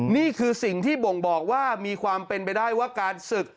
นี่คือสิ่งที่บ่งบอกว่ามีความเป็นไปได้ว่าการศึก